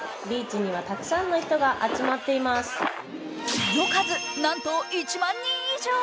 その数なんと１万人以上。